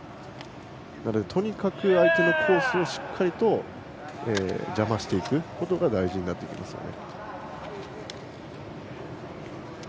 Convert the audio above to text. とにかく相手のコースをしっかりと邪魔していくことが大事になってきますね。